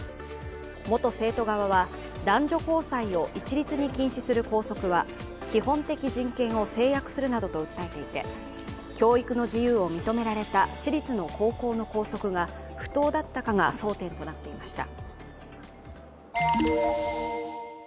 元生徒側は、男女交際を一律に禁止する校則は基本的人権を制約するなどと訴えていて教育の自由を認められた私立の高校の校則が不当だったかが争点となっていました。